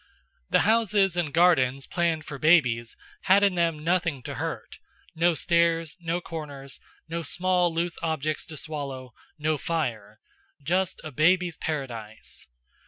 The houses and gardens planned for babies had in them nothing to hurt no stairs, no corners, no small loose objects to swallow, no fire just a babies' paradise.